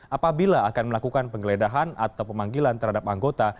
apabila akan melakukan penggeledahan atau pemanggilan terhadap anggota